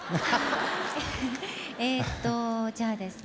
えっとじゃあですね。